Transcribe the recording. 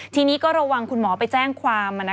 ทีนี้ก็ระวังคุณหมอไปแจ้งความ